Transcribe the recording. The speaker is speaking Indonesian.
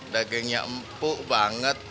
dagingnya empuk banget